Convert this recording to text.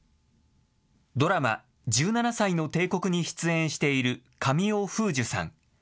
ドラマ、１７才の帝国に出演している神尾楓珠さん。